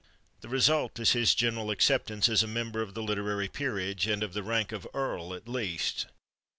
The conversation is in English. The result is his general acceptance as a member of the literary peerage, and of the rank of earl at least.